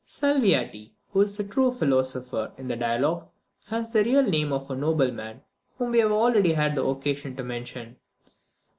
Salviati, who is the true philosopher in the dialogue, was the real name of a nobleman whom we have already had occasion to mention.